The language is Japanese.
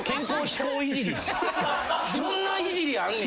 そんなイジりあんねや？